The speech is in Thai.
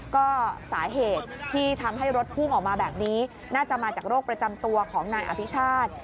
ก็สาเหตุที่ทำให้รถพุ่งออกมาแบบนี้น่าจะมาจากโรคประจำตัวของนายอภิชาติ